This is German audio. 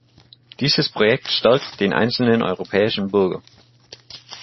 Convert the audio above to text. Dieses Projekt stärkt den einzelnen europäischen Bürger.